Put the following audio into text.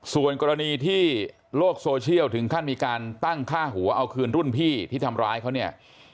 ส่วนกรณีที่โลกโซเชียลถึงขั้นมีการตั้งค่าหัวเอาคืนรุ่นพี่ที่ทำร้ายเขาเนี่ย